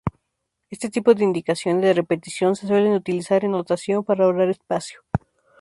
Este tipo de indicaciones de repetición se suelen utilizar en notación para ahorrar espacio.